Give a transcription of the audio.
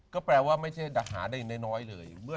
ก็แปลว่าไม่ใช่ทหารได้น้อยเลย